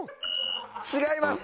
違います。